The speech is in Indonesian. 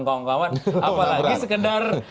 kawan kawan apalagi sekedar